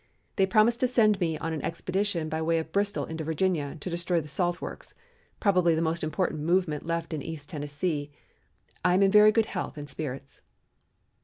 They promise to send me on an expedition by way of Bristol into Virginia to destroy the Salt Works, probably the most important movement left in East Tennessee. I am in very good health and spirits."